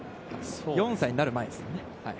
４歳になる前ですね。